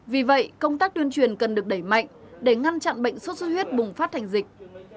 vì vậy công tác tuyên truyền cần được đẩy mạnh để ngăn chặn bệnh sốt xuất huyết bùng phát thành dịch